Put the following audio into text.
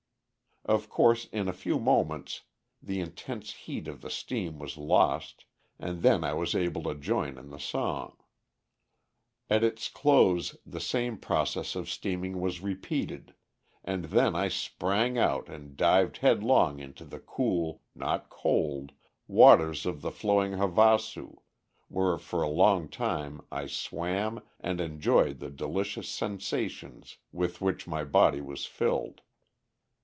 Of course, in a few moments the intense heat of the steam was lost, and then I was able to join in the song. At its close the same process of steaming was repeated, and then I sprang out and dived headlong into the cool (not cold) waters of the flowing Havasu, where for a long time I swam and enjoyed the delicious sensations with which my body was filled.